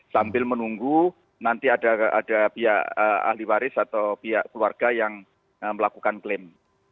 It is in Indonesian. sambil menunggu nanti ada pihak ahli waris atau pihak keluarga yang melakukan klaim